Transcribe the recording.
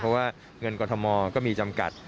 เพราะว่าเงินกรทมก็มีจำกัด